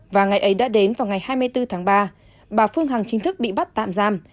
và ngày ấy đã đến vào ngày hai mươi bốn tháng ba bà phương hằng chính thức bị bắt tạm giam